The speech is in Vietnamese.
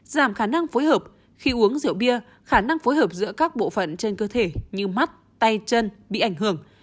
giảm khả năng phối hợp khi uống rượu bia khả năng phối hợp giữa các bộ phận trên cơ thể như mắt tay chân bị ảnh hưởng